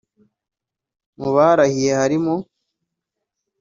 Mu barahiye harimo